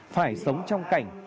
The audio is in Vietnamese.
phải sống trong cảnh